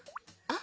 あ？